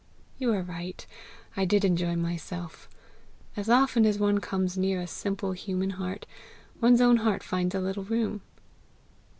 "You are right; I did enjoy myself. As often as one comes near a simple human heart, one's own heart finds a little room."